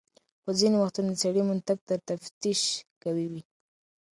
خو ځینې وختونه د سړي منطق تر تفتيش قوي وي.